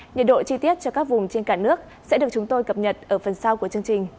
nhiệt độ chi tiết cho các vùng trên cả nước sẽ được chúng tôi cập nhật ở phần sau của chương trình